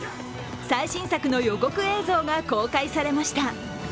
最新作の予告映像が公開されました。